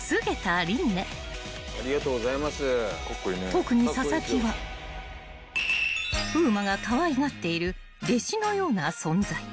［特に佐々木は風磨がかわいがっている弟子のような存在］